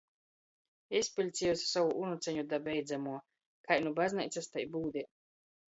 Izpiļciejuse sovu unuceņu da beidzamuo! Kai nu bazneicys, tai būdē.